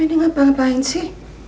kenapa kamu tampak serius